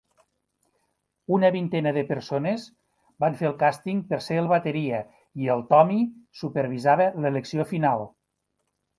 Una vintena de persones van fer el càsting per ser el bateria i el Tommy supervisava l'elecció final.